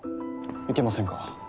いけませんか？